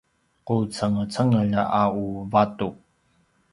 qucengecengel a u vatu